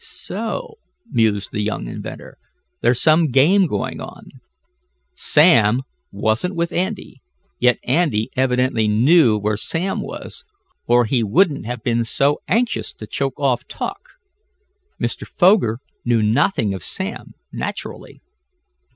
"So," mused the young inventor, "there's some game on. Sam wasn't with Andy, yet Andy evidently knew where Sam was, or he wouldn't have been so anxious to choke off talk. Mr. Foger knew nothing of Sam, naturally.